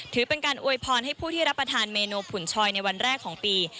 ถือเป็นการอวยพรให้ผู้ที่รับประทานเมนูผุ่นชอยในวันแรกของปี